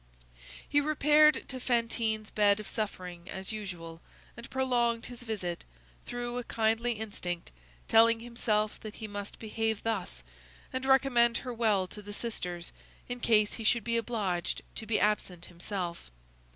He repaired to Fantine's bed of suffering, as usual, and prolonged his visit, through a kindly instinct, telling himself that he must behave thus, and recommend her well to the sisters, in case he should be obliged to be absent himself.